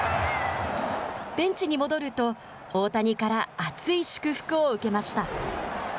ベンチに戻ると、大谷から熱い祝福を受けました。